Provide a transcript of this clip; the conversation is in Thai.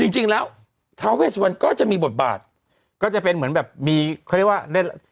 จริงแล้วท้าเวสวันก็จะมีบทบาทก็จะเป็นเหมือนแบบมีเขาเรียกว่าเล่น